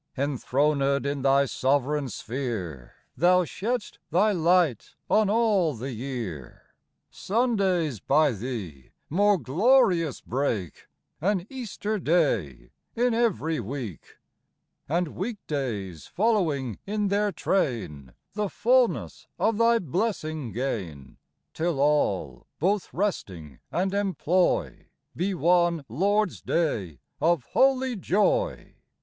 Enthroned in thy sovereign sphere, Thou shedd'st thy light on all the year ; Sundays by thee more glorious break, An Easter Day in every week ; And weekdays, following in their train, The fulness of thy blessing gain, Till all, both resting and employ, Be one Lord's day of holy joy.